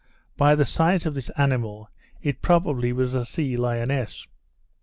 By the size of this animal, it probably was a sea lioness.